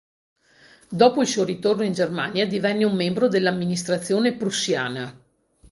Dopo il suo ritorno in Germania divenne un membro dell'amministrazione prussiana.